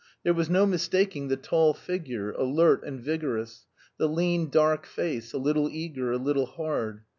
There was no mistaking the tall figure, alert and vigorous, the lean dark face, a little eager, a little hard.